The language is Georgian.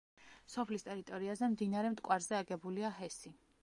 სოფლის ტერიტორიაზე მდინარე მტკვარზე აგებულია ჰესი.